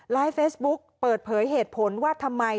เฟซบุ๊กเปิดเผยเหตุผลว่าทำไม